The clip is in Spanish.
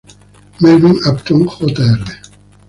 Melvin Upton Jr.